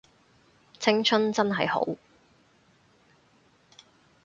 青春真係好